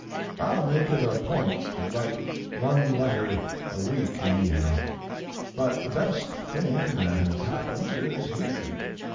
I'll make it a point to write one letter a week anyhow. But the best thing that has happened is here.